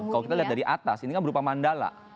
kalau kita lihat dari atas ini kan berupa mandala